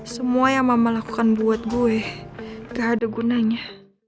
semua yang mama lakukan buat gue gak ada gunanya